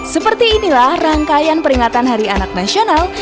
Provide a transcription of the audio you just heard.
seperti inilah rangkaian peringatan hari anak nasional